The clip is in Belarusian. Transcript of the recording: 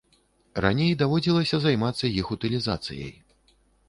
Раней даводзілася займацца іх утылізацыяй.